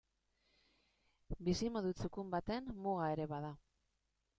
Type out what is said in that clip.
Bizimodu txukun baten muga ere bada.